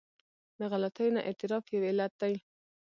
د غلطیو نه اعتراف یو علت دی.